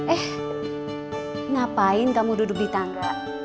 eh ngapain kamu duduk di tangga